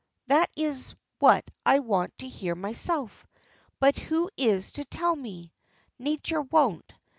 That is what I want to hear myself. But who is to tell me? Nature won't.